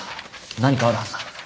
何かあるはずだ。